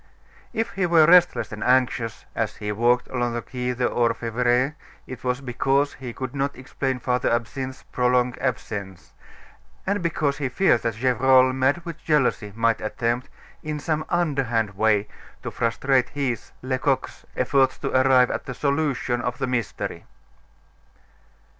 If he were restless and anxious as he walked along the Quai des Orfevres, it was because he could not explain Father Absinthe's prolonged absence, and because he feared that Gevrol, mad with jealousy, might attempt, in some underhand way, to frustrate his, Lecoq's, efforts to arrive at a solution of the mystery.